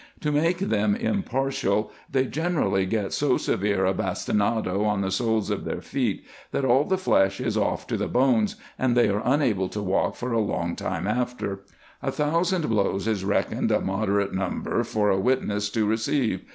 To make them impartial they generally get so 286 RESEARCHES AND OPERATIONS severe a bastinado on the soles of their feet, that all the flesh is off to the bones, and they are unable to walk for a long time after. A thousand blows is reckoned a moderate number for a witness to receive.